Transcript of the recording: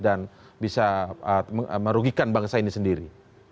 dan bisa merugikan bangsa ini sendiri